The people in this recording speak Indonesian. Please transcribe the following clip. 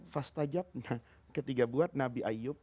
fastajab ketika buat nabi ayyub